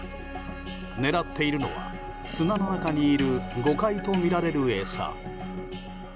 狙っているのは砂の中にいるゴカイとみられる餌。